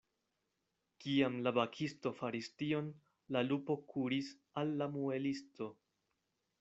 Kiam la bakisto faris tion, la lupo kuris al la muelisto.